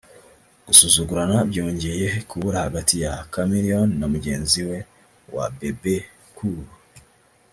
gusuzugurana byongeye kubura hagati ya Chameleone na mugenzi we Bebe Cool